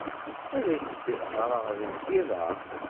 Ad ak-d-ɣreɣ deg yiḍ-a.